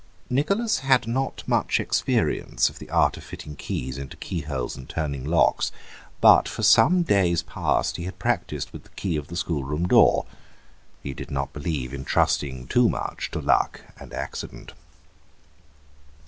Nicholas had not had much experience of the art of fitting keys into keyholes and turning locks, but for some days past he had practised with the key of the schoolroom door; he did not believe in trusting too much to luck and accident.